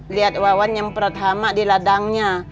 lihat wawan nyemprot hama di ladangnya